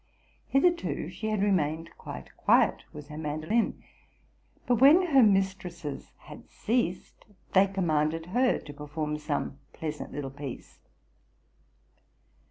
Hitherto she had remained quite quiet with her man dolin ; but, when her mistresses had ceased, they commanded her to perform some pleasant little piece.